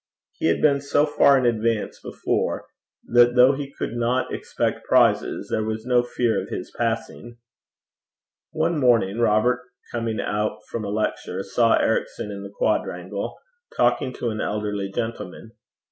He had been so far in advance before, that though he could not expect prizes, there was no fear of his passing. One morning, Robert, coming out from a lecture, saw Ericson in the quadrangle talking to an elderly gentleman.